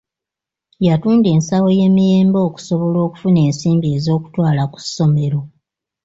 Yatunda ensawo y’emiyembe okusobola okufuna ensimbi ez’okutwala ku ssomero.